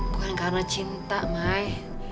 bukan karena cinta mai